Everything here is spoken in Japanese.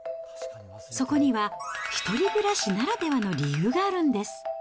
そこには、一人暮らしならではの理由があるんです。